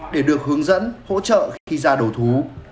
để được hướng dẫn hỗ trợ khi ra đầu thú